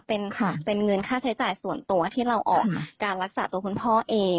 เป็นค่ะเป็นเงินค่าใช้จ่ายส่วนตัวที่เราออกการรักษาตัวคุณพ่อเอง